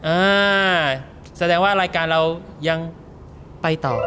อ่าแสดงว่ารายการเรายังไปต่อ